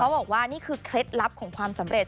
บอกว่านี่คือเคล็ดลับของความสำเร็จ